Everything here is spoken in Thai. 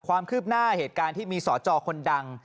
ความคืบหน้าเหตุการณ์ที่มีสจคนดัง